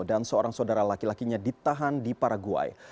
dan seorang saudara laki lakinya ditahan di paraguay